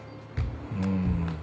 うん。